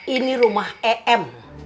ini rumah em